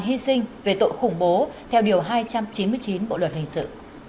hy sinh về tội khủng bố theo điều hai trăm chín mươi chín bộ luật hình sự